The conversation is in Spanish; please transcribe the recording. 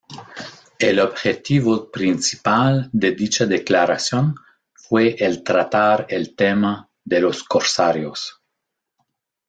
El objetivo principal de dicha declaración fue el tratar el tema de los corsarios.